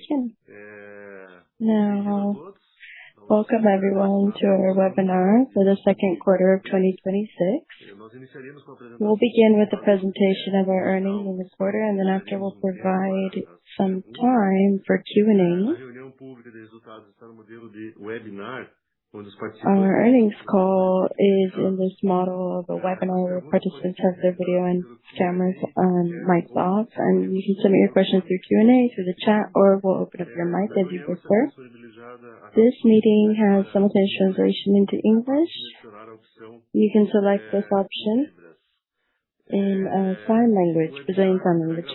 Welcome everyone to our webinar for the second quarter of 2026. We will begin with the presentation of our earnings in the quarter. After, we will provide some time for Q&A. Our earnings call is in this model of a webinar where participants have their video and mics off. You can submit your questions through Q&A, through the chat, or we will open up your mic if you prefer. This meeting has simultaneous translation into English. You can select this option in foreign language, Brazilian foreign language.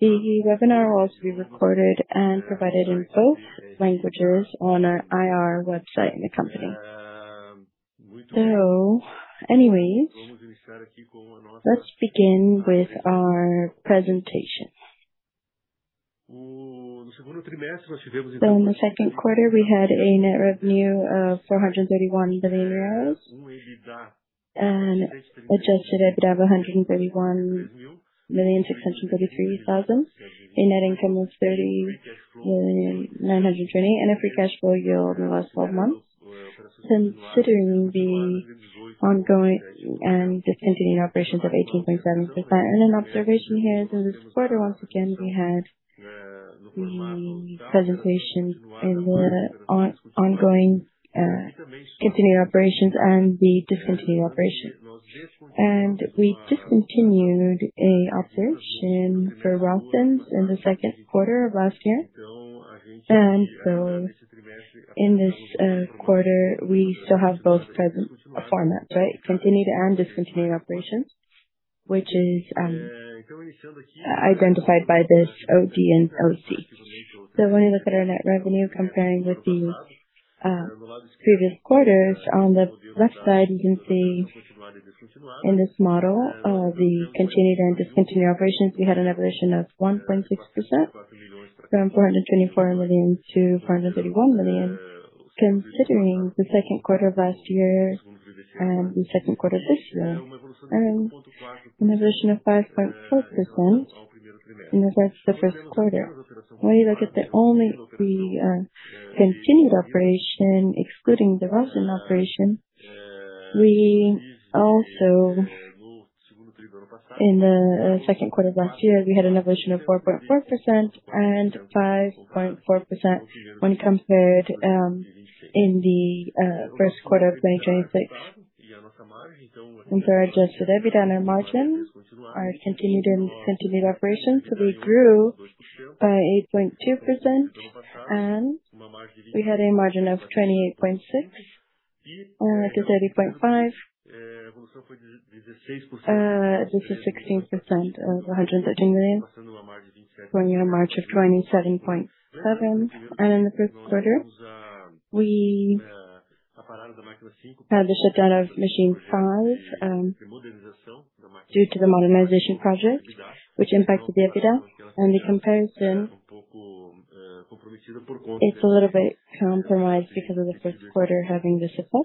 The webinar will also be recorded and provided in both languages on our IR website in the company. Let us begin with our presentation. In the second quarter, we had a net revenue of BRL 431 million and adjusted EBITDA of 131,633,000. A net income of 30,920,000 and a free cash flow yield in the last 12 months. Considering the ongoing and discontinued operations of 18.7%. An observation here, in this quarter once again, we had the presentation in the ongoing continued operations and the discontinued operations. We discontinued an operation for Resins in the second quarter of last year. In this quarter, we still have both formats. Continued and discontinued operations, which is identified by this OD and OCC. When you look at our net revenue comparing with the previous quarters, on the left side, you can see in this model of the continued and discontinued operations, we had an evolution of 1.6%, from 424 million to 431 million. Considering the second quarter of last year and the second quarter of this year, an evolution of 5.4% in regards to the first quarter. When you look at the only continued operation excluding the Resins operation, in the second quarter of last year, we had an evolution of 4.4% and 5.4% when compared in the first quarter of 2026. In terms of adjusted EBITDA and our margin, our continued and discontinued operations, we grew by 8.2% and we had a margin of 28.6%-30.5%. This is 16% of 113 million, going in a margin of 27.7%. In the first quarter, we had the shutdown of Machine 05 due to the modernization project, which impacted the EBITDA and the comparison. It is a little bit compromised because of the first quarter having the shutdown.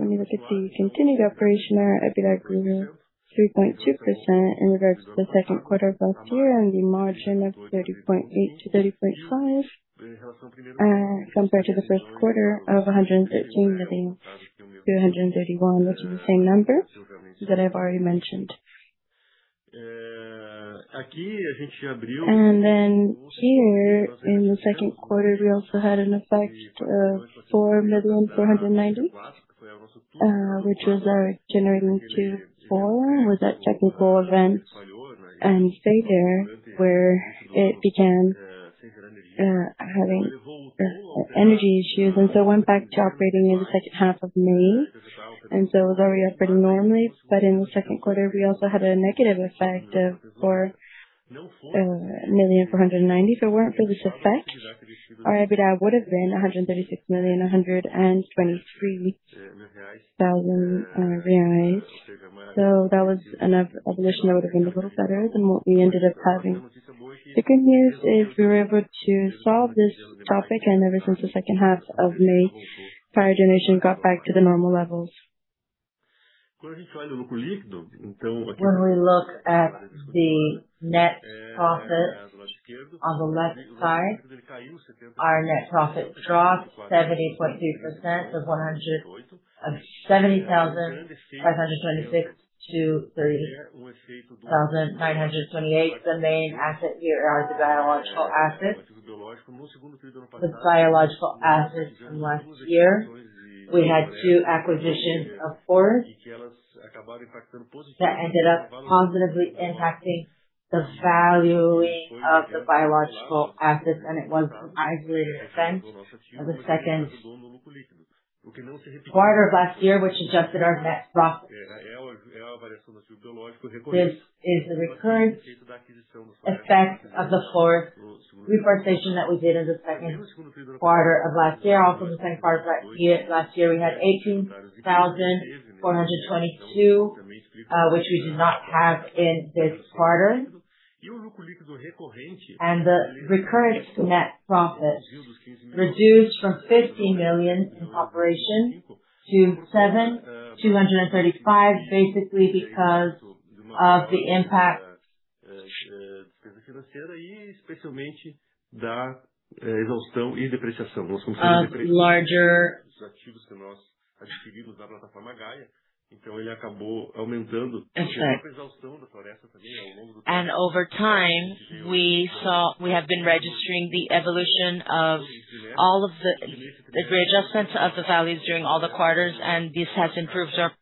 When you look at the continued operation, our EBITDA grew 3.2% in regards to the second quarter of last year and the margin of 30.8%-30.5%. Compared to the first quarter of 113 million-131 million, which is the same number that I have already mentioned. Here in the second quarter, we also had an effect of 4,490,000, which was our generating two, four, was that technical event and failure where it began having energy issues. It went back to operating in the second half of May. It was already operating normally. In the second quarter, we also had a negative effect of 4,490,000. If it were not for this effect, our EBITDA would have been 136,123,000. That was an evolution that would have been a little better than what we ended up having. The good news is we were able to solve this topic, and ever since the second half of May, power generation got back to the normal levels. When we look at the net profit on the left side, our net profit dropped 70.3% from 70,526 to 30,928. The main asset here are the biological assets. The biological assets from last year. We had two acquisitions of forests that ended up positively impacting the valuing of the biological assets, and it was an isolated event of the second quarter of last year, which adjusted our net profit. This is a recurrent effect of the forest reforestation that we did in the second quarter of last year. Also in the second quarter of last year, we had 18,422, which we do not have in this quarter. The recurrent net profit reduced from 15 million in operation To 7,235, basically because of the impact of larger effect. Over time, we have been registering the evolution of all of the readjustments of the values during all the quarters, and this has improved our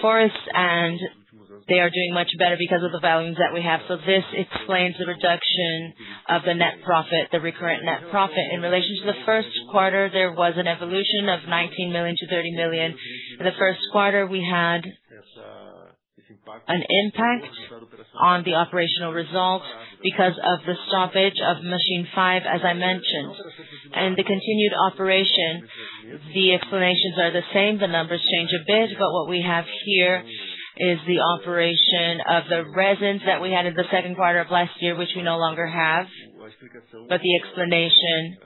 forests, and they are doing much better because of the volumes that we have. This explains the reduction of the net profit, the recurrent net profit. In relation to the first quarter, there was an evolution of 19 million to 30 million. In the first quarter, we had an impact on the operational results because of the stoppage of Machine 05, as I mentioned. In the continued operation, the explanations are the same. The numbers change a bit, but what we have here is the operation of the Resins that we had in the second quarter of last year, which we no longer have. The explanation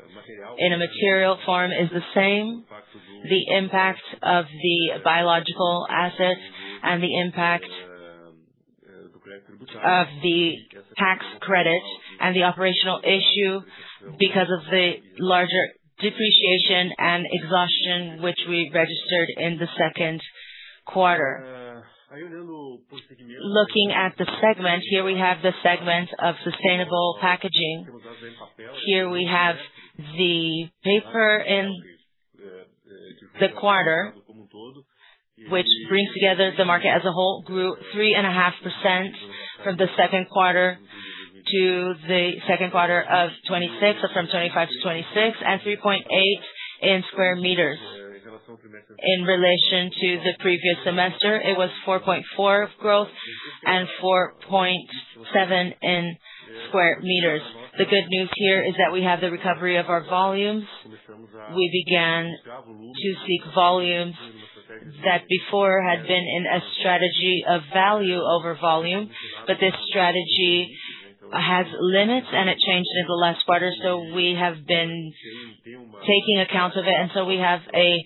in a material form is the same. The impact of the biological assets and the impact of the tax credit and the operational issue because of the larger depreciation and exhaustion, which we registered in the second quarter. Looking at the segment, here we have the segment of sustainable packaging. Here we have the paper in the quarter, which brings together the market as a whole, grew 3.5% from the second quarter to the second quarter of 2026, so from 2025 to 2026, and 3.8% in square meters. In relation to the previous semester, it was 4.4% growth and 4.7% in square meters. The good news here is that we have the recovery of our volumes. We began to seek volumes that before had been in a strategy of value over volume, but this strategy has limits, and it changed in the last quarter. We have been taking account of it. We have an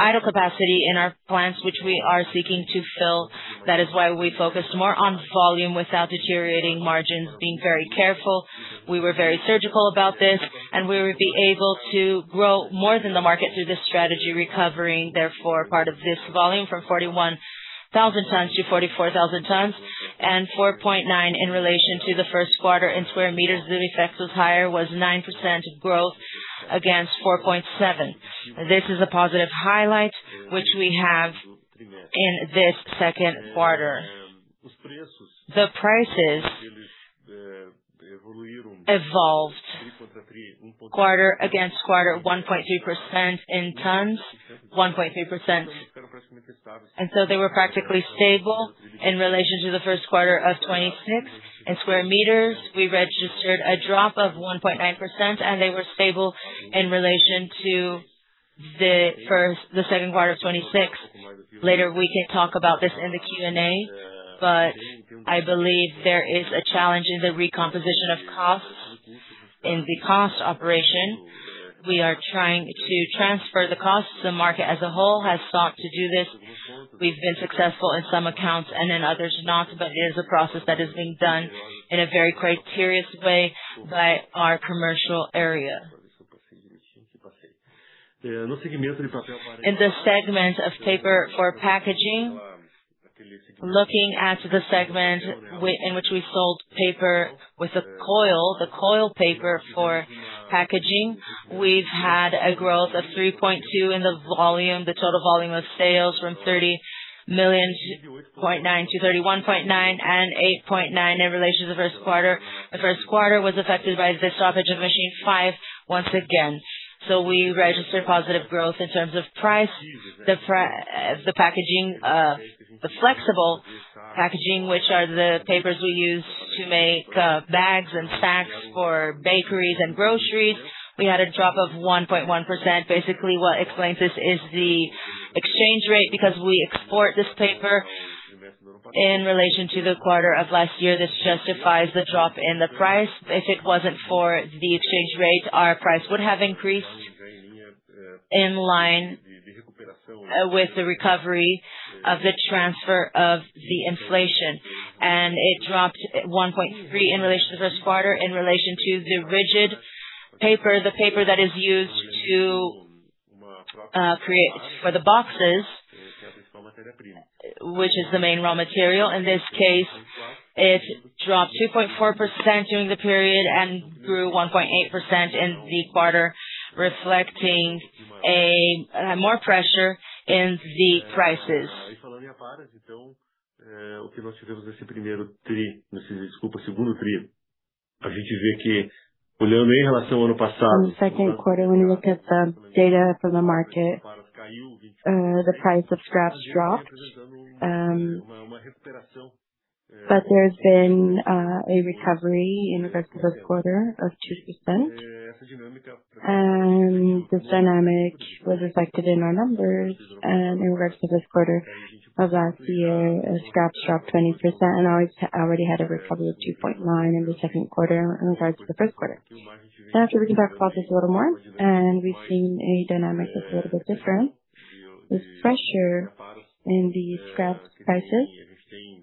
idle capacity in our plants, which we are seeking to fill. That is why we focused more on volume without deteriorating margins, being very careful. We were very surgical about this, and we would be able to grow more than the market through this strategy, recovering, therefore, part of this volume from 41,000 tons to 44,000 tons and 4.9% in relation to the first quarter in square meters. The effect was higher, was 9% growth against 4.7%. This is a positive highlight which we have in this second quarter. The prices evolved quarter against quarter, 1.3% in tons. They were practically stable in relation to the first quarter of 2026. In square meters, we registered a drop of 1.9%, and they were stable in relation to the second quarter of 2026. Later, we can talk about this in the Q&A, but I believe there is a challenge in the recomposition of costs in the cost operation. We are trying to transfer the costs. The market as a whole has sought to do this. We've been successful in some accounts and in others not, but it is a process that is being done in a very criterious way by our commercial area. In the segment of paper for packaging, looking at the segment in which we sold paper with the coil, the coil paper for packaging, we've had a growth of 3.2 in the volume, the total volume of sales from 30.9 million to 31.9 and 8.9 in relation to the first quarter. The first quarter was affected by the stoppage of Machine 05 once again. We registered positive growth in terms of price. The flexible packaging, which are the papers we use to make bags and sacks for bakeries and groceries, we had a drop of 1.1%. Basically, what explains this is the exchange rate, because we export this paper. In relation to the quarter of last year, this justifies the drop in the price. If it wasn't for the exchange rate, our price would have increased in line with the recovery of the transfer of the inflation. It dropped 1.3 in relation to the first quarter. In relation to the rigid paper, the paper that is used for the boxes, which is the main raw material, in this case, it dropped 2.4% during the period and grew 1.8% in the quarter, reflecting more pressure in the prices. In the second quarter, when we look at the data from the market, the price of scraps dropped. There's been a recovery in regards to this quarter of 2%. This dynamic was reflected in our numbers. In regards to this quarter of last year, scrap dropped 20% and already had a recovery of 2.9 in the second quarter in regards to the first quarter. That's where we can talk about this a little more. We've seen a dynamic that's a little bit different. The pressure In the scrap prices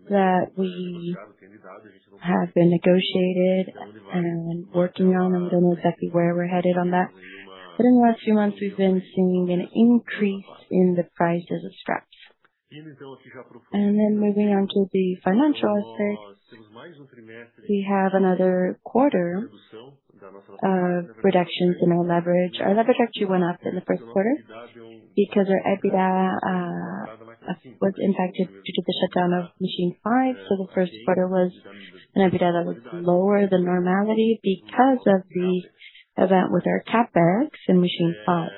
that we have been negotiating and working on, I don't know exactly where we're headed on that. In the last few months, we've been seeing an increase in the prices of scraps. Moving on to the financial aspect. We have another quarter of reductions in our leverage. Our leverage actually went up in the first quarter because our EBITDA was impacted due to the shutdown of Machine 05. The first quarter was an EBITDA that was lower than normality because of the event with our CapEx in Machine 05.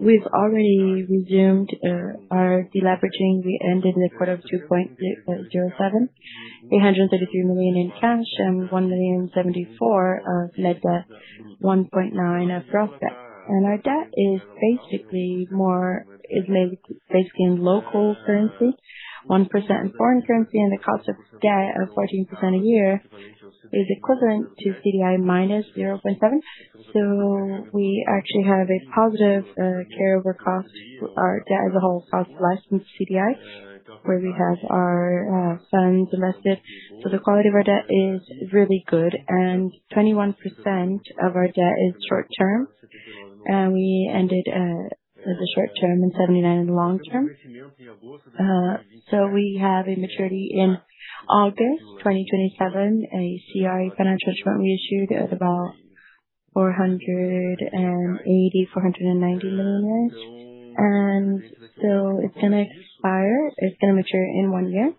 We've already resumed our deleveraging. We ended the quarter of 2.07, 333 million in cash and 1,000,074 of net debt, 1.9 of gross debt. Our debt is basically in local currency, 1% in foreign currency, and the cost of debt of 14% a year is equivalent to CDI -0.7. We actually have a positive carryover cost. Our debt as a whole is capitalized from CDI, where we have our funds invested. The quality of our debt is really good, and 21% of our debt is short-term. We ended the short-term and 79% in the long-term. We have a maturity in August 2027, a CRI financial instrument we issued at about 480 million-490 million. It's going to expire. It's going to mature in one year.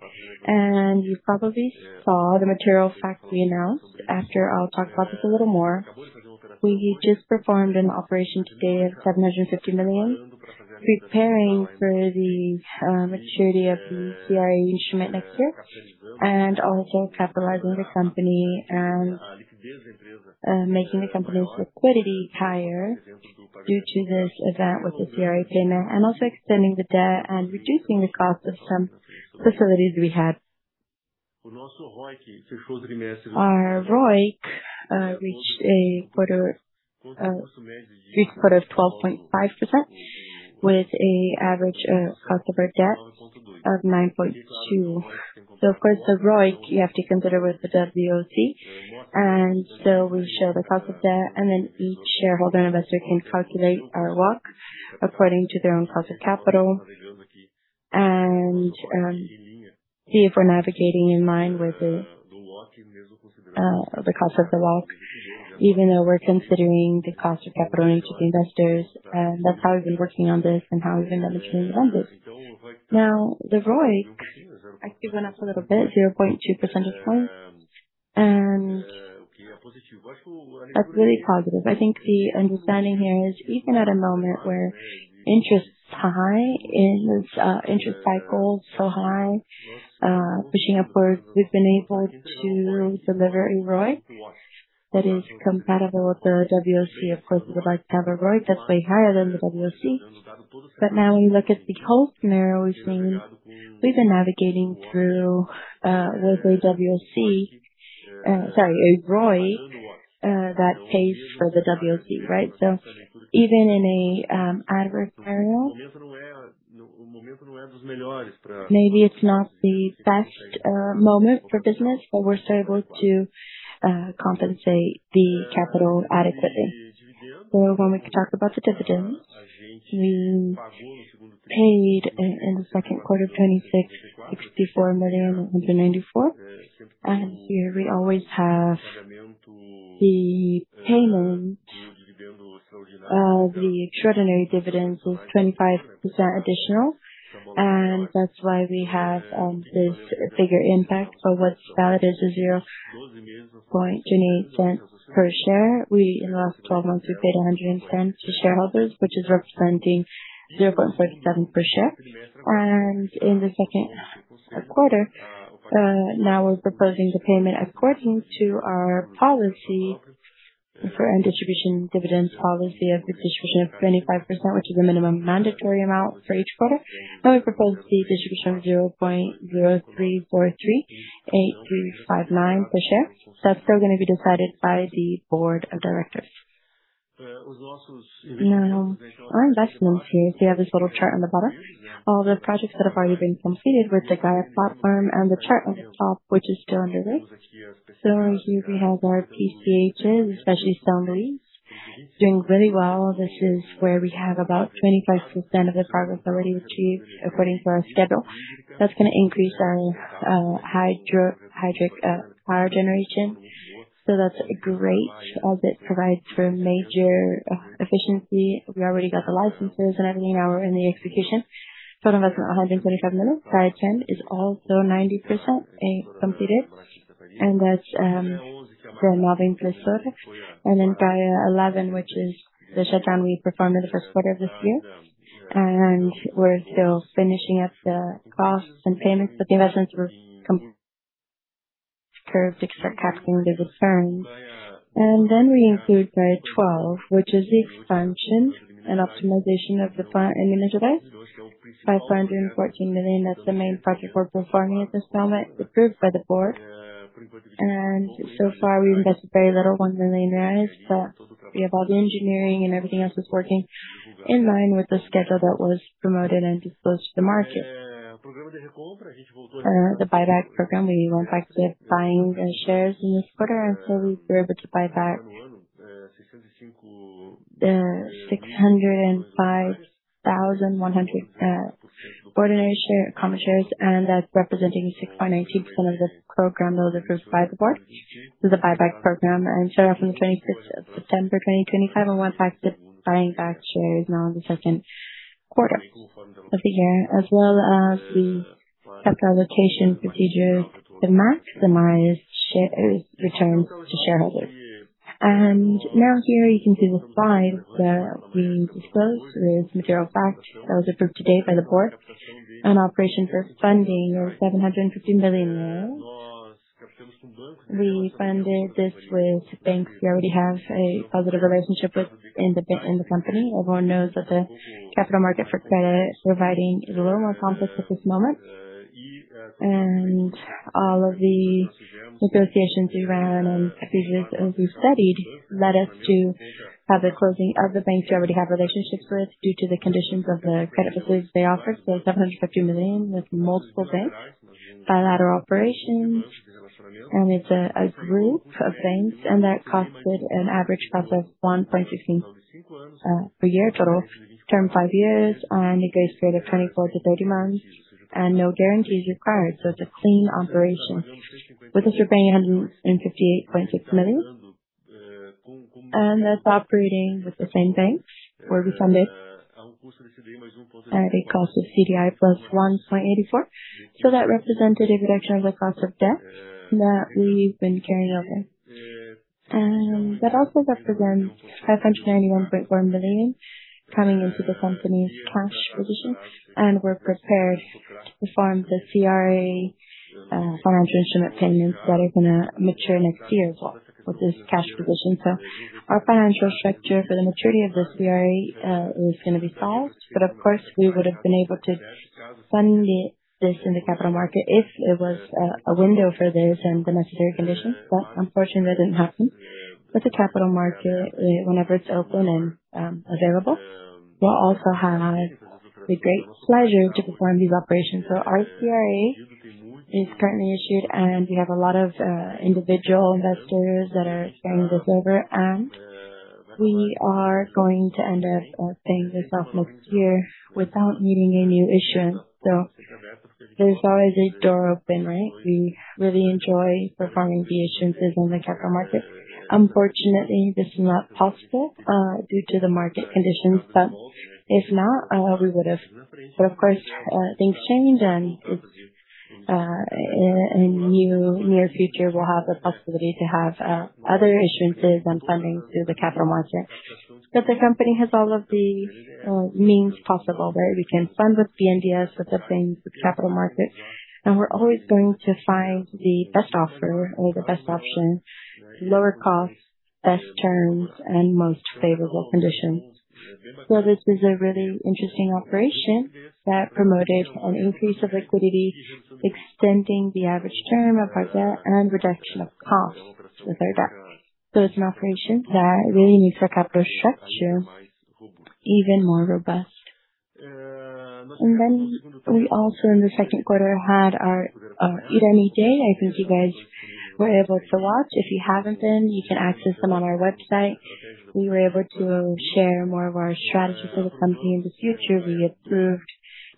You probably saw the material fact we announced. After, I'll talk about this a little more. We just performed an operation today of 750 million, preparing for the maturity of the CRI instrument next year, and also capitalizing the company and making the company's liquidity higher due to this event with the CRI payment, and also extending the debt and reducing the cost of some facilities we had. Our ROIC reached a free quarter of 12.5% with an average cost of our debt of 9.2%. Of course, the ROIC, you have to consider with the WACC. We show the cost of debt, then each shareholder investor can calculate our WACC according to their own cost of capital and see if we're navigating in line with the cost of the WACC, even though we're considering the cost of capital into the investors. That's how we've been working on this and how we've been navigating around this. The ROIC actually went up a little bit, 0.2 percentage points, and that's really positive. I think the understanding here is even at a moment where interest is high in this interest cycle, so high, pushing upwards, we've been able to deliver a ROIC that is compatible with our WACC. Of course, we would like to have a ROIC that's way higher than the WACC. We look at the whole scenario, which means we've been navigating through with a ROIC that pays for the WACC, right? Even in an adverse scenario, maybe it's not the best moment for business, but we're still able to compensate the capital adequately. When we talk about the dividends, we paid in the second quarter of 2026, BRL 64,194,000. Here we always have the payment of the extraordinary dividends, was 25% additional. That's why we have this bigger impact. What's valid is 0.28 per share. In the last 12 months, we paid 110 million to shareholders, which is representing 0.47 per share. In the second quarter, now we're proposing the payment according to our policy and distribution dividends policy of the distribution of 25%, which is a minimum mandatory amount for each quarter. We propose the distribution of BRL 0.03438359 per share. That's still going to be decided by the board of directors. Our investments here, if you have this little chart on the bottom, all the projects that have already been completed with the Gaia Platform and the chart at the top, which is still under way. Here we have our PCHs, especially São Luiz, doing really well. This is where we have about 25% of the progress already achieved according to our schedule. That's going to increase our hydroelectric power generation. That's great as it provides for major efficiency. We already got the licenses, I mean, now we're in the execution. Total investment, 125 million. Gaia 10 is also 90% completed, and that's the [Maués reservoir]. Then Gaia XI, which is the shutdown we performed in the first quarter of this year. We're still finishing up the costs and payments, but the assets were approved to start capturing the reserves. Then we include Gaia XII, which is the expansion and optimization of the Minas Gerais, 514 million. That's the main project we're performing at this moment, approved by the board. So far we've invested very little, 1 million, but we have all the engineering and everything else is working in line with the schedule that was promoted and disclosed to the market. For the buyback program, we went back to buying the shares in this quarter, we were able to buy back 605,100 ordinary common shares, and that's representing 6.19% of this program that was approved by the board. This is a buyback program started on the 25th of September 2025 and went back to buying back shares now in the second quarter of the year, as well as the capital allocation procedure to maximize returns to shareholders. Now here you can see the slide that we disclosed with material facts that was approved today by the board. An operation for funding of 750 million. We funded this with banks we already have a positive relationship with in the company. Everyone knows that the capital market for credit providing is a little more complex at this moment. All of the negotiations we ran and procedures that we studied led us to have the closing of the banks we already have relationships with due to the conditions of the credit facilities they offer. 750 million with multiple banks, bilateral operations, it's a group of banks, that costed an average cost of 1.15% per year. Total term, five years, negotiation of 24-30 months and no guarantees required. It's a clean operation with a 758.6 million, and that's operating with the same banks where we funded at a cost of CDI +1.84%. That represented a reduction of the cost of debt that we've been carrying over. That also represents 591.4 million coming into the company's cash position and we're prepared to fund the CRA financial instrument payments that are going to mature next year as well with this cash position. Our financial structure for the maturity of this CRA is going to be solved. Of course, we would have been able to fund this in the capital market if it was a window for this and the necessary conditions. Unfortunately, that didn't happen. The capital market, whenever it's open and available, will also have the great pleasure to perform these operations. Our CRA is currently issued, we have a lot of individual investors that are expecting this deliver, we are going to end up paying this off next year without needing a new issuance. There's always a door open, right? We really enjoy performing the issuances on the capital market. Unfortunately, this is not possible due to the market conditions. If not, we would have. Of course, things change and in near future, we'll have the possibility to have other issuances and funding through the capital market. The company has all of the means possible, right? We can fund with BNDES, with the banks, with capital markets, and we're always going to find the best offer or the best option, lower cost, best terms, and most favorable conditions. This is a really interesting operation that promoted an increase of liquidity, extending the average term of our debt and reduction of cost with our debt. It's an operation that really makes our capital structure even more robust. We also, in the second quarter, had our Irani Day. I think you guys were able to watch. If you haven't been, you can access them on our website. We were able to share more of our strategies for the company in the future. We approved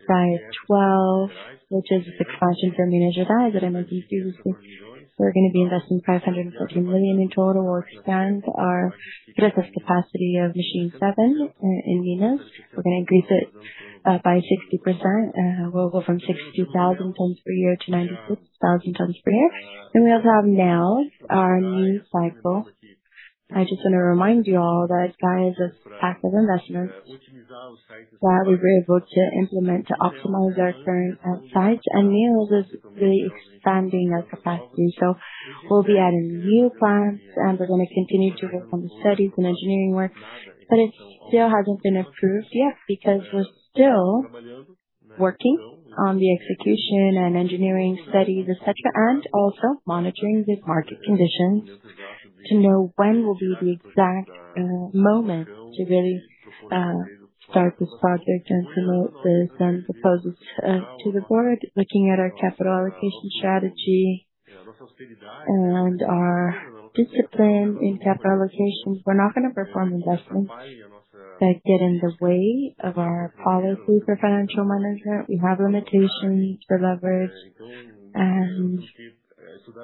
Gaia XII, which is the expansion for Minas Gerais at MP07. We're going to be investing 514 million in total. We'll expand our current capacity of Paper Machine 07 in Minas. We're going to increase it by 60%, and we'll go from 60,000 tons per year to 96,000 tons per year. We also have Neos, our new cycle. I just want to remind you all that, guys, these active investments that we were able to implement to optimize our current sites and Neos is really expanding our capacity. We'll be adding new plants, and we're going to continue to work on the studies and engineering work. It still hasn't been approved yet because we're still working on the execution and engineering studies, et cetera, and also monitoring the market conditions to know when will be the exact moment to really start this project and promote this and propose this to the board. Looking at our capital allocation strategy and our discipline in capital allocations. We're not going to perform investments that get in the way of our policy for financial management. We have limitations for leverage, and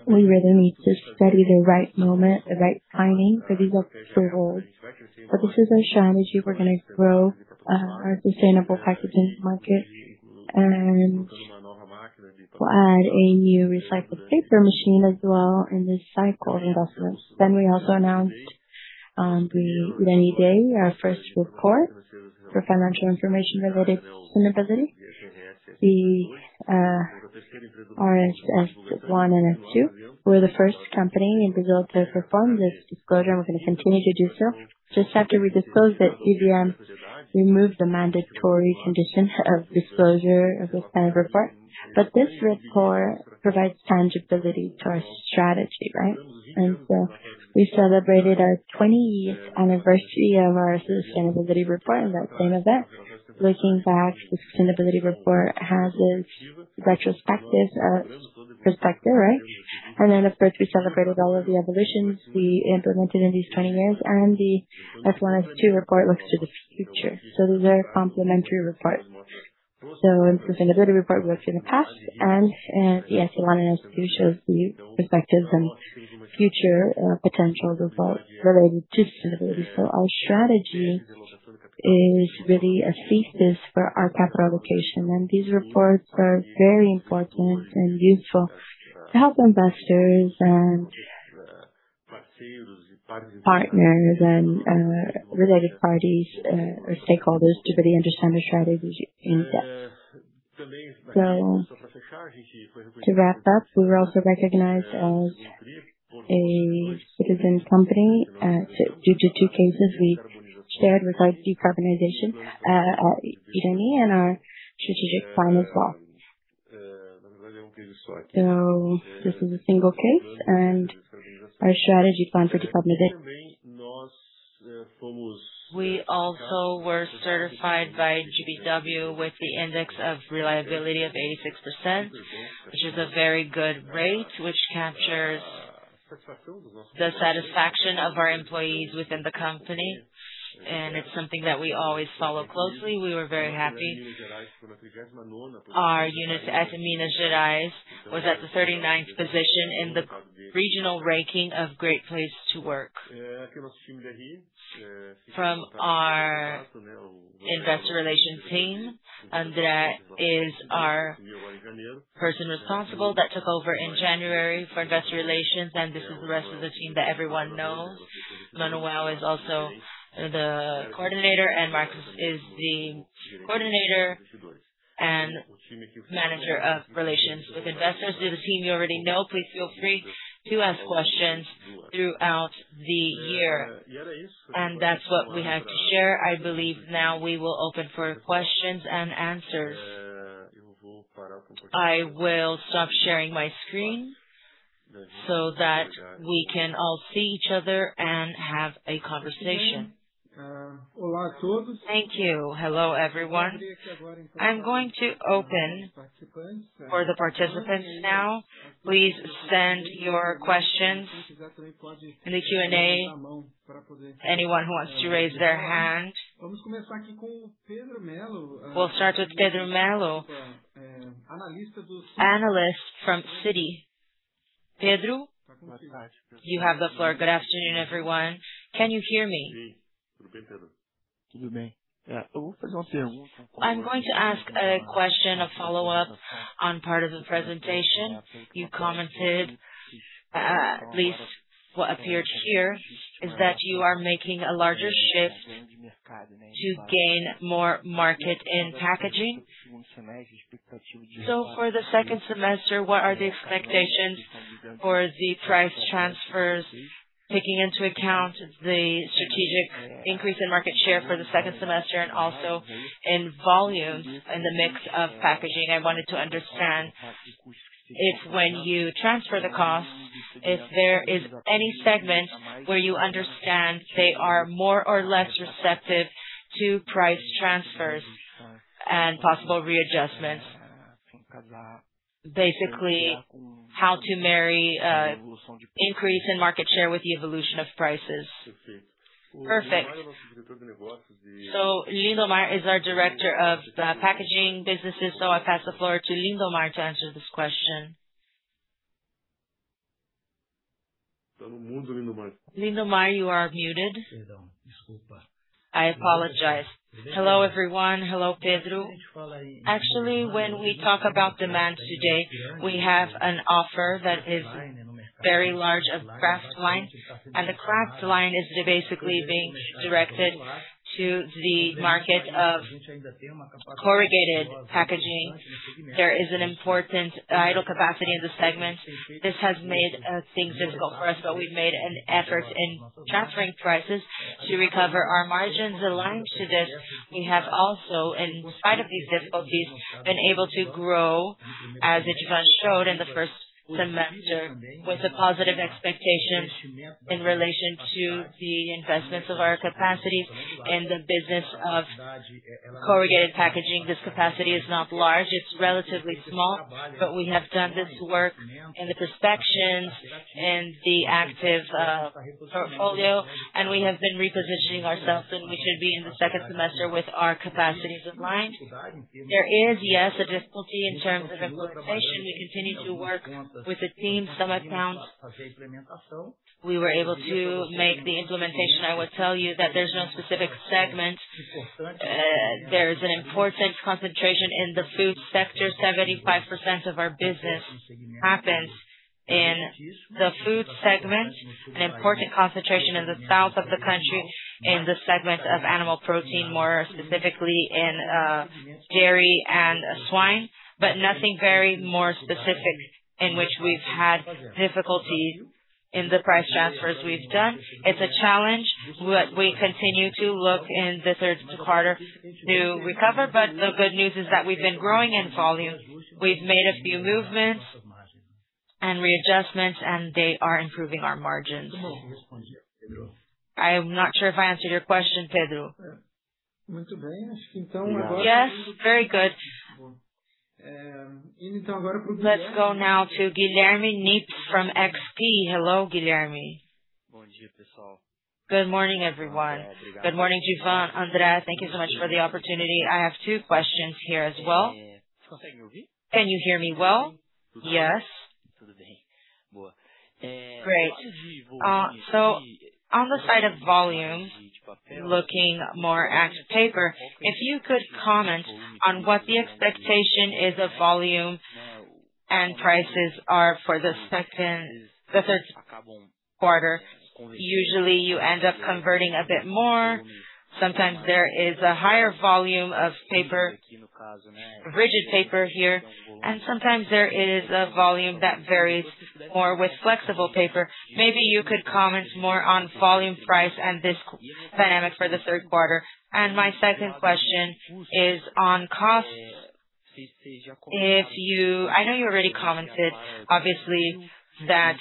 we really need to study the right moment, the right timing, because these are for worlds. This is our strategy. We're going to grow our sustainable packaging market, and we'll add a new recycled paper machine as well in this cycle of investments. We also announced on the Irani Day our first report for financial information related sustainability, the IFRS S1 and S2. We're the first company in Brazil to perform this disclosure, and we're going to continue to do so. Just have to re-disclose that CVM removed the mandatory condition of disclosure of the standard report. This report provides tangibility to our strategy, right? We celebrated our 20th anniversary of our sustainability report in that same event. Looking back, the sustainability report has its retrospective perspective, right? Of course, we celebrated all of the evolutions we implemented in these 20 years, and the IFRS S1/S2 report looks to the future. Those are complementary reports. The sustainability report looks in the past, and the IFRS S1/S2 shows the perspectives and future potential of what related to sustainability. Our strategy is really a thesis for our capital allocation, and these reports are very important and useful to help investors and partners and related parties or stakeholders to really understand the strategies in depth. To wrap up, we were also recognized as a citizen company due to two cases we shared regards decarbonization at Irani and our strategic plan as well. This is a single case and our strategy plan for decarbonization. We also were certified by GPTW with the index of reliability of 86%, which is a very good rate, which captures the satisfaction of our employees within the company, and it's something that we always follow closely. We were very happy. Our unit at Minas Gerais was at the 39th position in the regional ranking of Great Place to Work. From our Investor Relations team, André is our person responsible that took over in January for Investor Relations, and this is the rest of the team that everyone knows. Manuel is also the Coordinator, and Marcos is the Coordinator and Manager of relations with investors. They are the team you already know. Please feel free to ask questions throughout the year. That's what we had to share. I believe now we will open for questions and answers. I will stop sharing my screen so that we can all see each other and have a conversation. Thank you. Hello, everyone. I am going to open for the participants now. Please send your questions in the Q&A. Anyone who wants to raise their hand. We will start with Pedro Mello, Analyst from Citi. Pedro, you have the floor. Good afternoon, everyone. Can you hear me? I am going to ask a question, a follow-up on part of the presentation. You commented, at least what appeared here, is that you are making a larger shift to gain more market in packaging. For the second semester, what are the expectations for the price transfers, taking into account the strategic increase in market share for the second semester and also in volume in the mix of packaging? I wanted to understand if when you transfer the cost, if there is any segment where you understand they are more or less receptive to price transfers and possible readjustments. Basically, how to marry increase in market share with the evolution of prices. Perfect. Lindomar is our Director of the Packaging Business. I pass the floor to Lindomar to answer this question. Lindomar, you are muted. I apologize. Hello, everyone. Hello, Pedro. When we talk about demand today, we have an offer that is very large of kraftliner, the kraftliner is basically being directed to the market of corrugated packaging. There is an important idle capacity of the segment. This has made things difficult for us, we've made an effort in transferring prices to recover our margins. Aligned to this, we have also, in spite of these difficulties, been able to grow, as Odivan showed in the first semester, with a positive expectation in relation to the investments of our capacity in the business of corrugated packaging. This capacity is not large. It's relatively small, we have done this work in the prospections, in the active portfolio, we have been repositioning ourselves, we should be in the second semester with our capacities aligned. There is, yes, a difficulty in terms of implementation. We continue to work with the team. Some accounts, we were able to make the implementation. I would tell you that there's no specific segment. There's an important concentration in the food sector. 75% of our business happens in the food segment, an important concentration in the south of the country in the segment of animal protein, more specifically in dairy and swine, nothing very more specific in which we've had difficulty. In the price transfers we've done. It's a challenge. We continue to look in the third quarter to recover, the good news is that we've been growing in volume. We've made a few movements and readjustments, they are improving our margins. I am not sure if I answered your question, Pedro. Yes, very good. Let's go now to Guilherme Nippes from XP. Hello, Guilherme. Good morning, everyone. Good morning, Odivan, André. Thank you so much for the opportunity. I have two questions here as well. Can you hear me well? Yes. Great. On the side of volume, looking more at paper, if you could comment on what the expectation is of volume and prices are for the third quarter. Usually, you end up converting a bit more. Sometimes there is a higher volume of rigid paper here, sometimes there is a volume that varies more with flexible paper. Maybe you could comment more on volume price and this dynamic for the third quarter. My second question is on cost. I know you already commented, obviously, that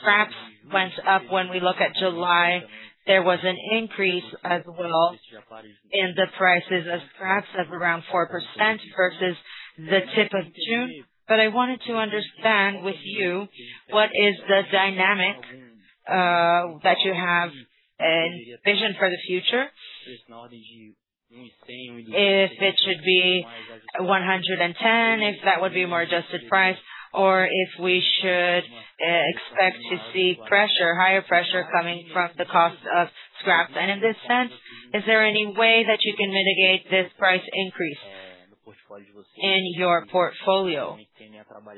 scrap went up when we look at July. There was an increase as well in the prices of scrap of around 4% versus the tip of June. I wanted to understand with you, what is the dynamic that you have a vision for the future. If it should be 110, if that would be a more adjusted price, or if we should expect to see higher pressure coming from the cost of scrap. In this sense, is there any way that you can mitigate this price increase in your portfolio?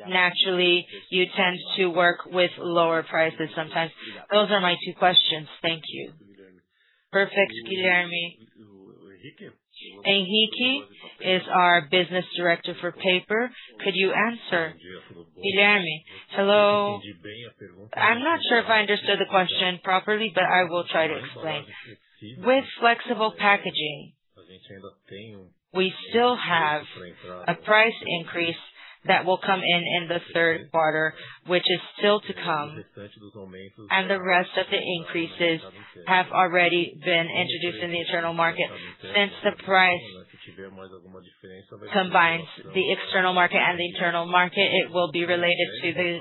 Naturally, you tend to work with lower prices sometimes. Those are my two questions. Thank you. Perfect, Guilherme. Henrique is our business director for paper. Could you answer Guilherme? Hello. I'm not sure if I understood the question properly, but I will try to explain. With flexible packaging, we still have a price increase that will come in in the third quarter, which is still to come, and the rest of the increases have already been introduced in the internal market. Since the price combines the external market and the internal market, it will be related to the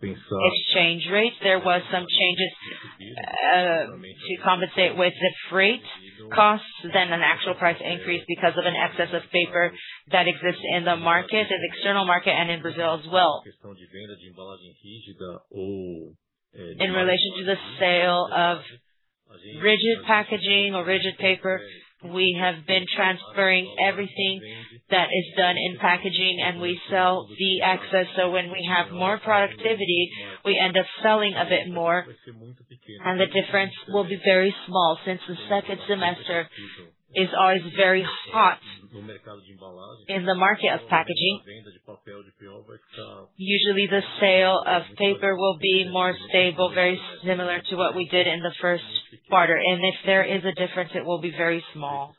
exchange rate. There was some changes to compensate with the freight costs than an actual price increase because of an excess of paper that exists in the market, in the external market and in Brazil as well. In relation to the sale of rigid packaging or rigid paper, we have been transferring everything that is done in packaging, and we sell the excess. When we have more productivity, we end up selling a bit more, and the difference will be very small since the second semester is always very hot in the market of packaging. Usually, the sale of paper will be more stable, very similar to what we did in the first quarter. If there is a difference, it will be very small.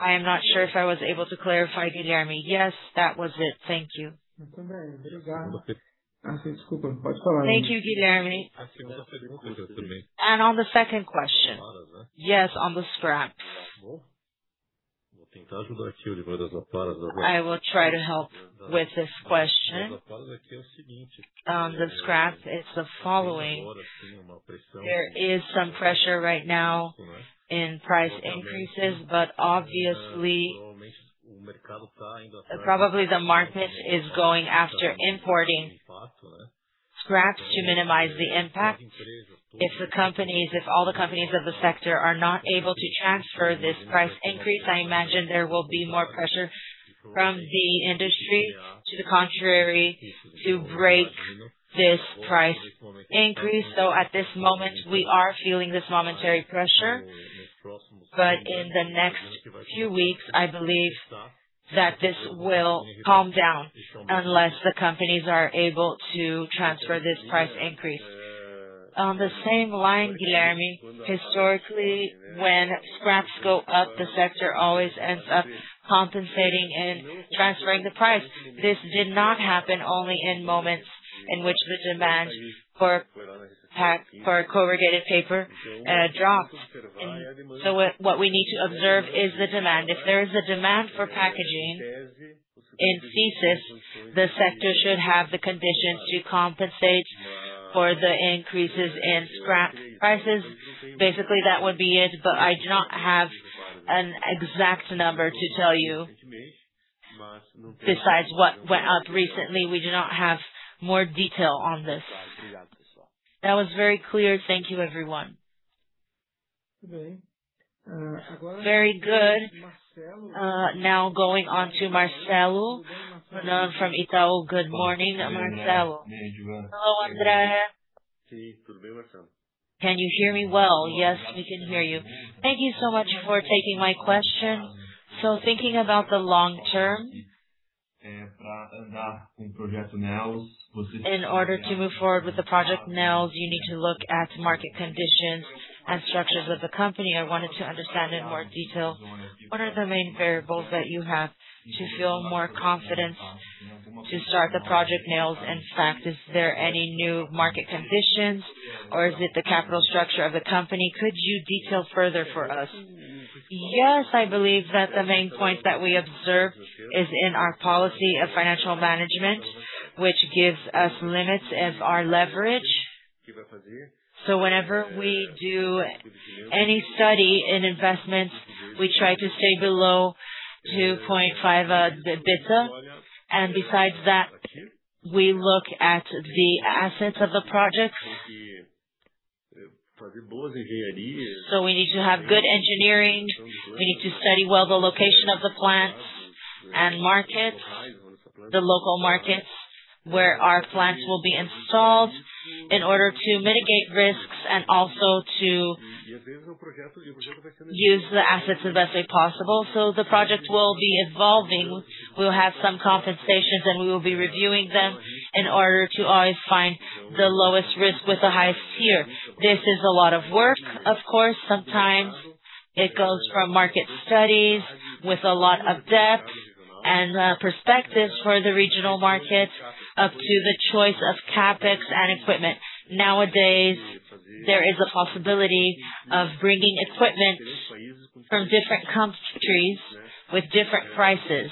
I am not sure if I was able to clarify, Guilherme. Yes, that was it. Thank you. Thank you, Guilherme. On the second question. Yes, on the scraps. I will try to help with this question. On the scraps it's the following. There is some pressure right now in price increases, obviously, probably the market is going after importing scraps to minimize the impact. If all the companies of the sector are not able to transfer this price increase, I imagine there will be more pressure from the industry to the contrary to break this price increase. At this moment, we are feeling this momentary pressure, but in the next few weeks, I believe that this will calm down unless the companies are able to transfer this price increase. On the same line, Guilherme, historically, when scraps go up, the sector always ends up compensating and transferring the price. This did not happen only in moments in which the demand for corrugated paper dropped. What we need to observe is the demand. If there is a demand for packaging, in thesis, the sector should have the conditions to compensate for the increases in scrap prices. Basically, that would be it, I do not have an exact number to tell you. Besides what went up recently, we do not have more detail on this. That was very clear. Thank you, everyone. Very good. Going on to Marcelo from Itaú. Good morning, Marcelo. Hello, André. Can you hear me well? Yes, we can hear you. Thank you so much for taking my question. Thinking about the long term. In order to move forward with the project Neos, you need to look at market conditions and structures of the company. I wanted to understand in more detail what are the main variables that you have to feel more confidence to start the project Neos. In fact, is there any new market conditions or is it the capital structure of the company? Could you detail further for us? Yes, I believe that the main point that we observe is in our policy of financial management, which gives us limits of our leverage. So whenever we do any study in investments, we try to stay below 2.5 of EBITDA. Besides that, we look at the assets of the projects. So we need to have good engineering. We need to study well the location of the plants and markets, the local markets, where our plants will be installed in order to mitigate risks and also to use the assets the best way possible. So the project will be evolving. We will have some compensations, and we will be reviewing them in order to always find the lowest risk with the highest IRR. This is a lot of work, of course. Sometimes it goes from market studies with a lot of depth and perspectives for the regional markets up to the choice of CapEx and equipment. Nowadays, there is a possibility of bringing equipment from different countries with different prices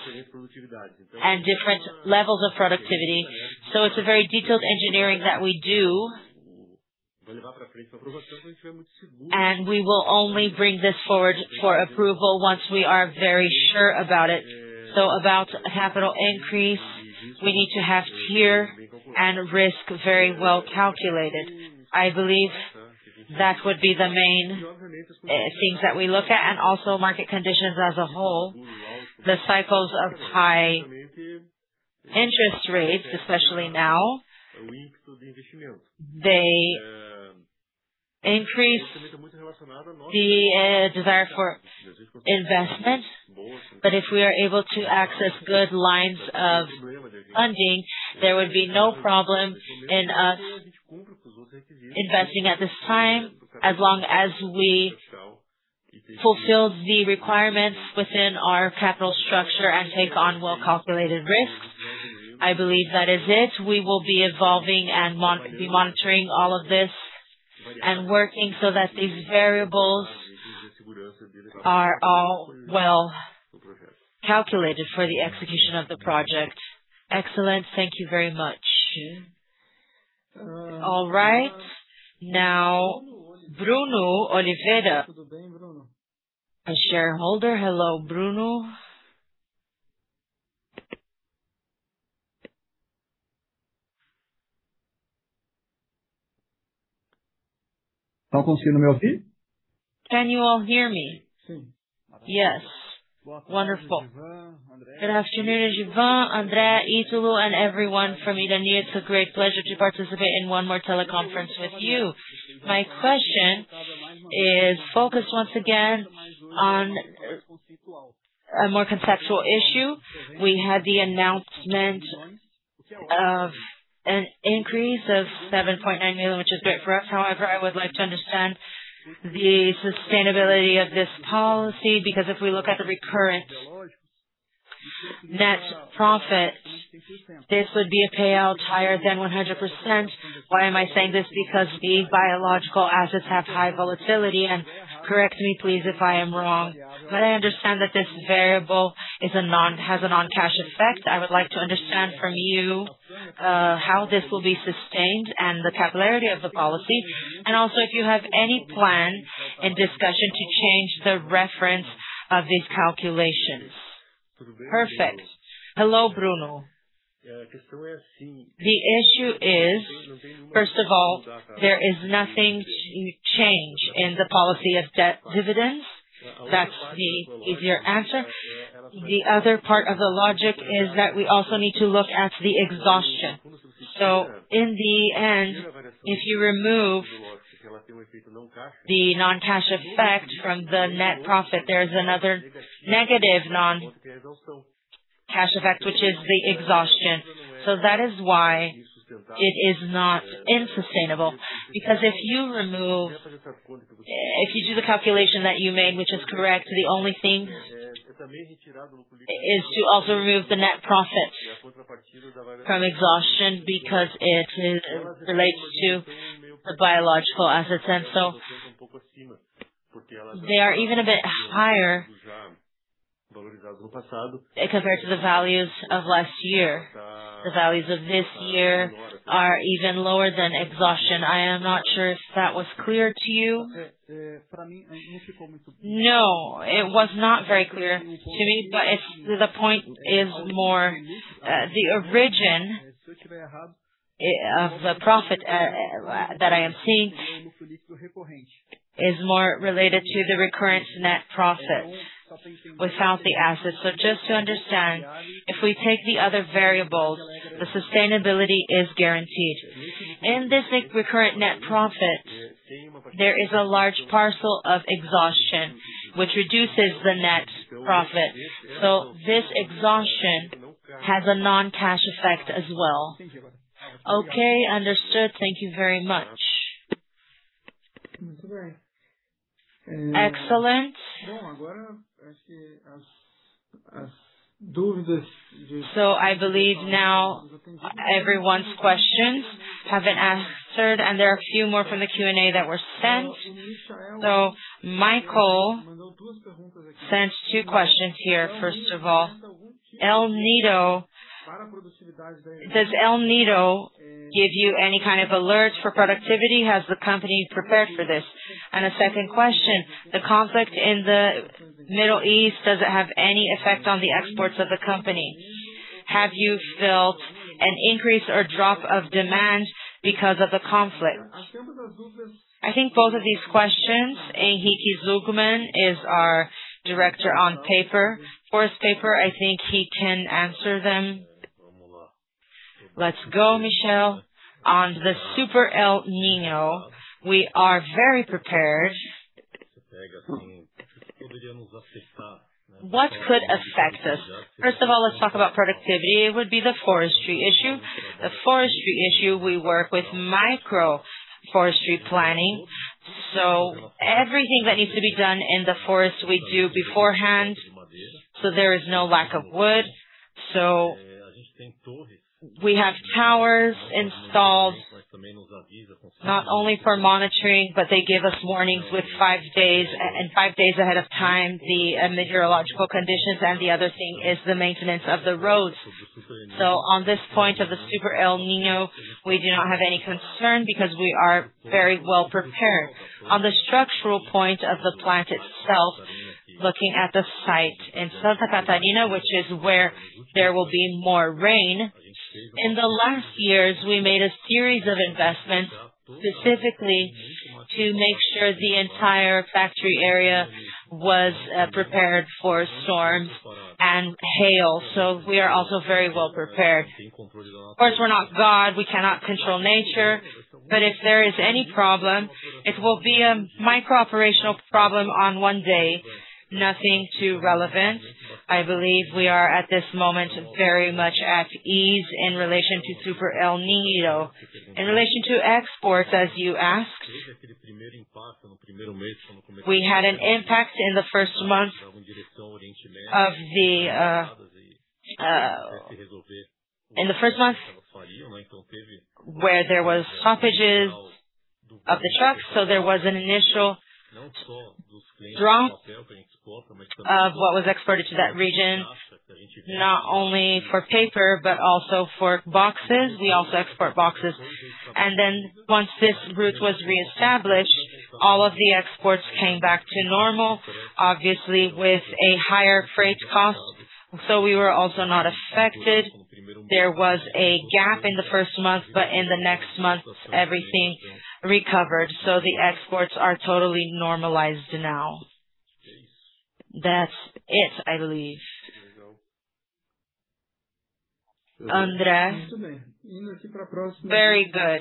and different levels of productivity. So it is a very detailed engineering that we do. We will only bring this forward for approval once we are very sure about it. So about capital increase, we need to have [IRR] and risk very well calculated. I believe that would be the main things that we look at and also market conditions as a whole. The cycles of high interest rates, especially now, they increase the desire for investment. But if we are able to access good lines of funding, there would be no problem in us investing at this time, as long as we fulfill the requirements within our capital structure and take on well-calculated risk. I believe that is it. We will be evolving and be monitoring all of this and working so that these variables are all well calculated for the execution of the project. Excellent. Thank you very much. All right, now, Bruno Oliveira, a shareholder. Hello, Bruno. Can you all hear me? Yes. Wonderful. Good afternoon, Odivan, André, [inaudible] and everyone from Irani. It is a great pleasure to participate in one more teleconference with you. My question is focused once again on a more conceptual issue. We had the announcement of an increase of 7.9 million, which is great for us. However, I would like to understand the sustainability of this policy, because if we look at the recurrent net profit, this would be a payout higher than 100%. Why am I saying this? Because the biological assets have high volatility, and correct me, please, if I am wrong, but I understand that this variable has a non-cash effect. I would like to understand from you, how this will be sustained and the popularity of the policy, and also if you have any plan and discussion to change the reference of these calculations. Perfect. Hello, Bruno. The issue is, first of all, there is nothing to change in the policy of dividends. That is the easier answer. The other part of the logic is that we also need to look at the exhaustion. In the end, if you remove the non-cash effect from the net profit, there's another negative non-cash effect, which is the exhaustion. That is why it is not unsustainable, because if you do the calculation that you made, which is correct, the only thing is to also remove the net profit from exhaustion because it relates to the biological assets. They are even a bit higher compared to the values of last year. The values of this year are even lower than exhaustion. I am not sure if that was clear to you. No, it was not very clear to me, but the point is more the origin of the profit that I am seeing is more related to the recurrent net profit without the assets. Just to understand, if we take the other variables, the sustainability is guaranteed. In this recurrent net profit, there is a large parcel of exhaustion, which reduces the net profit. This exhaustion has a non-cash effect as well. Okay, understood. Thank you very much. Excellent. I believe now everyone's questions have been answered, and there are a few more from the Q&A that were sent. Michael sent two questions here. First of all, does El Niño give you any kind of alerts for productivity? Has the company prepared for this? A second question, the conflict in the Middle East, does it have any effect on the exports of the company? Have you felt an increase or drop of demand because of the conflict? I think both of these questions, Henrique Zugman is our Director of Forest Paper. I think he can answer them. Let's go, Michael. On the Super El Niño, we are very prepared. What could affect us? First of all, let's talk about productivity. It would be the forestry issue. The forestry issue, we work with micro forestry planning. Everything that needs to be done in the forest, we do beforehand. There is no lack of wood. We have towers installed, not only for monitoring, but they give us warnings with five days and five days ahead of time, the meteorological conditions. The other thing is the maintenance of the roads. On this point of the Super El Niño, we do not have any concern because we are very well prepared. On the structural point of the plant itself, looking at the site in Santa Catarina, which is where there will be more rain. In the last years, we made a series of investments specifically to make sure the entire factory area was prepared for storms and hail. We are also very well prepared. Of course, we're not God. We cannot control nature. If there is any problem, it will be a micro operational problem on one day. Nothing too relevant. I believe we are, at this moment, very much at ease in relation to Super El Niño. In relation to exports, as you asked, we had an impact in the first month where there was stoppages of the trucks. There was an initial drop of what was exported to that region, not only for paper, but also for boxes. We also export boxes. Once this route was reestablished, all of the exports came back to normal, obviously with a higher freight cost. We were also not affected. There was a gap in the first month, in the next month, everything recovered. The exports are totally normalized now. That's it, I believe. André. Very good.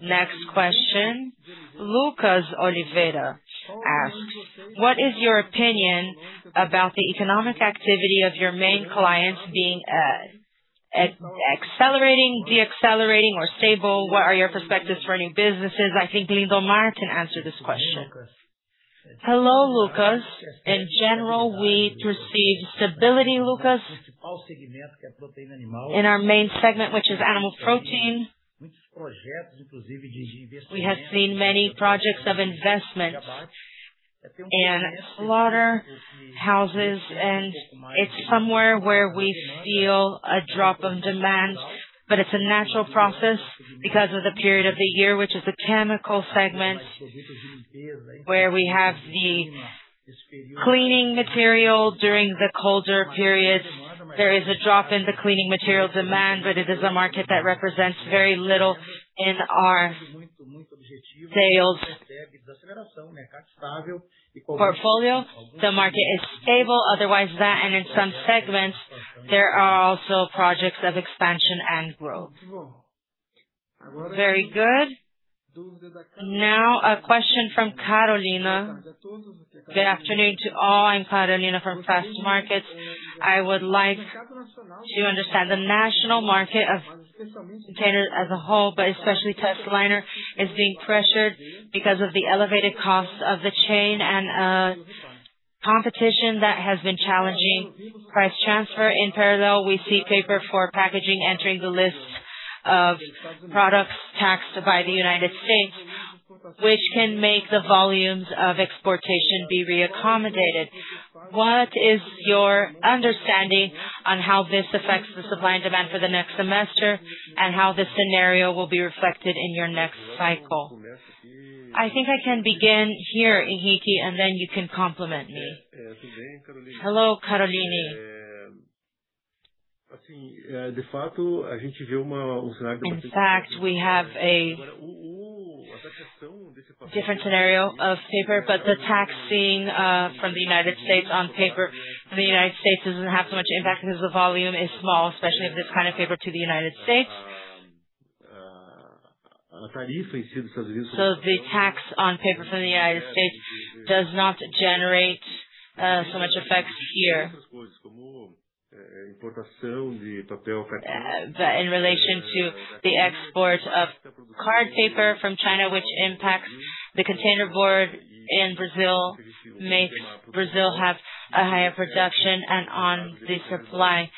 Next question. Lucas Oliveira asked, "What is your opinion about the economic activity of your main clients being accelerating, decelerating, or stable? What are your perspectives for new businesses?" I think Lindomar can answer this question. Hello, Lucas. In general, we perceive stability, Lucas. In our main segment, which is animal protein, we have seen many projects of investment and slaughterhouses, and it's somewhere where we feel a drop of demand. It's a natural process because of the period of the year, which is the chemical segment, where we have the cleaning material during the colder periods. There is a drop in the cleaning material demand, but it is a market that represents very little in our sales portfolio. The market is stable. Otherwise, that and in some segments, there are also projects of expansion and growth. Very good. Now a question from Carolina. "Good afternoon to all. I'm Carolina from Frost Markets. I would like to understand the national market of containerboard as a whole, but especially testliner is being pressured because of the elevated cost of the chain and competition that has been challenging price transfer. In parallel, we see paper for packaging entering the list of products taxed by the United States., which can make the volumes of exportation be re-accommodated. What is your understanding on how this affects the supply and demand for the next semester, and how this scenario will be reflected in your next cycle?" I think I can begin here, Henrique, and then you can complement me. Hello, Carolina. In fact, we have a different scenario of paper, the tax seen from the United States on paper from the United States doesn't have so much impact because the volume is small, especially of this kind of paper to the United States. The tax on paper from the United States does not generate so much effects here. In relation to the export of containerboard from China, which impacts the containerboard in Brazil, makes Brazil have a higher production and on the supply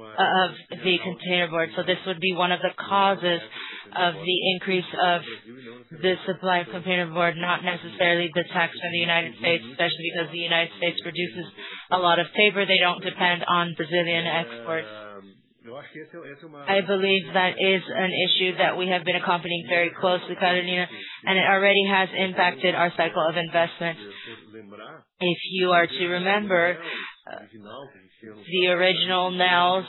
of the containerboard. This would be one of the causes of the increase of the supply of containerboard, not necessarily the tax from the United States, especially because the United States produces a lot of paper. They don't depend on Brazilian exports. I believe that is an issue that we have been accompanying very closely, Carolina, it already has impacted our cycle of investment. If you are to remember, the original Neos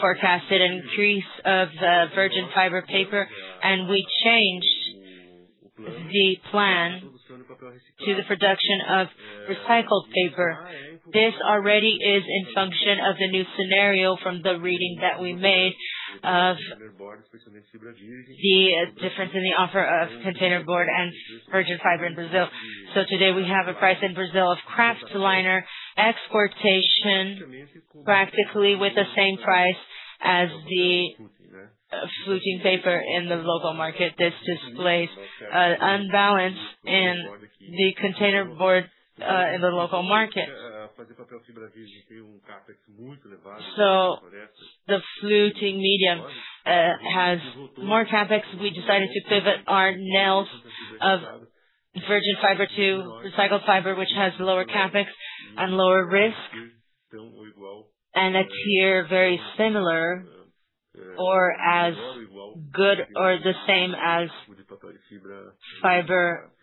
forecasted an increase of virgin fiber paper, and we changed the plan to the production of recycled paper. This already is in function of the new scenario from the reading that we made of the difference in the offer of containerboard and virgin fiber in Brazil. Today we have a price in Brazil of kraftliner exportation practically with the same price as the fluting in the local market. This displays an imbalance in the containerboard in the local market. The fluting medium has more CapEx. We decided to pivot our mills of virgin fiber to recycled fiber, which has lower CapEx and lower risk, and appear very similar or as good or the same as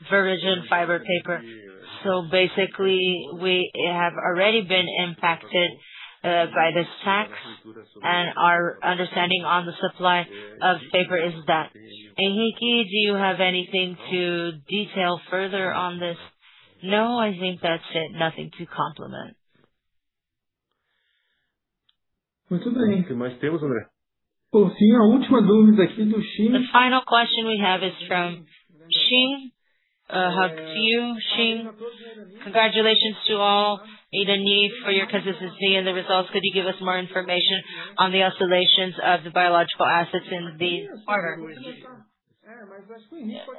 virgin fiber paper. Basically, we have already been impacted by this tax, and our understanding on the supply of paper is that. Henrique, do you have anything to detail further on this? No, I think that's it. Nothing to complement. The final question we have is from Shing. Hug to you, Shing. Congratulations to all. Irani, for your consistency and the results, could you give us more information on the oscillations of the biological assets in the quarter?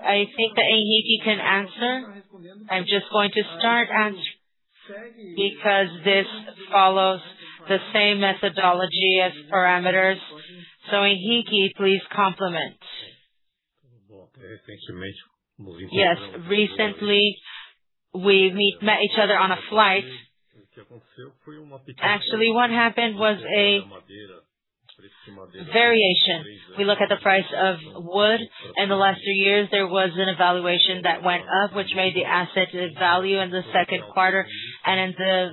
I think that Henrique can answer. I'm just going to start answering because this follows the same methodology as parameters. Henrique, please complement. Yes. Recently, we met each other on a flight. Actually, what happened was a variation. We look at the price of wood. In the last few years, there was an evaluation that went up, which made the asset value in the second quarter. In the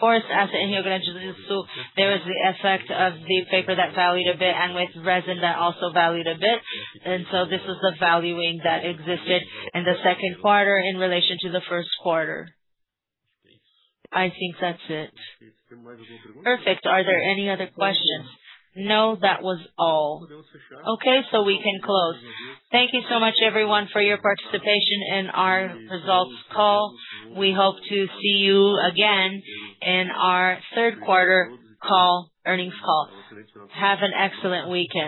forest asset, and you mentioned this too, there is the effect of the paper that valued a bit, and with resin that also valued a bit. This was the valuing that existed in the second quarter in relation to the first quarter. I think that's it. Perfect. Are there any other questions? No, that was all. Okay, we can close. Thank you so much, everyone, for your participation in our results call. We hope to see you again in our third quarter earnings call. Have an excellent weekend.